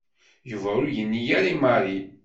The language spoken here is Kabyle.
Yuba ur yenni ara i Mary.